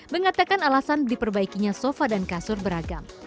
mengatakan alasan diperbaikinya sofa dan kasur beragam